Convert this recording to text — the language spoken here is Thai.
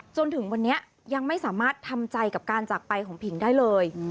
จนถึงวันนี้ยังไม่สามารถทำใจกับการจากไปของผิงได้เลย